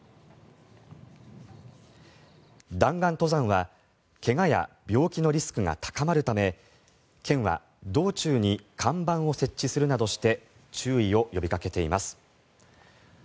弾丸登山は怪我や病気のリスクが高まるため県は道中に看板を設置するなどして注意を呼びかけています。